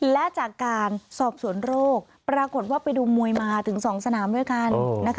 และจากการสอบสวนโรคปรากฏว่าไปดูมวยมาถึง๒สนามด้วยกัน